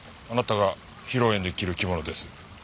あなたが披露宴で着る着物です。